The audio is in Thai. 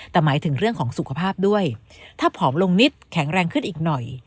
แต่หมายถึงเรื่องของสุขภาพด้วยถ้าผอมลงนิดแข็งแรงขึ้นอีกหน่อย